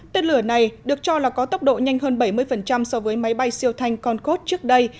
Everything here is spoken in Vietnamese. tên lửa này được cho là có tốc độ nhanh hơn bảy mươi so với máy bay siêu thanh conccode trước đây